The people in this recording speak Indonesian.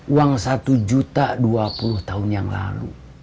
uang satu juta dua puluh tahun yang lalu